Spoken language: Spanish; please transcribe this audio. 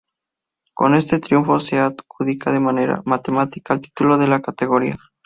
Con este triunfo se adjudica de manera matemática el título de la categoría.